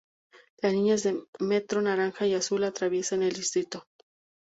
Las líneas de metro naranja y azul atraviesan el distrito.